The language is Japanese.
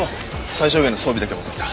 最小限の装備だけ持って来た。